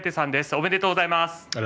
おめでとうございます。